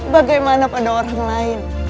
bagaimana pada orang lain